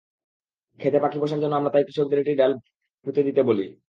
খেতে পাখি বসার জন্য আমরা তাই কৃষকদের একটি ডাল পঁুতে দিতে বলি।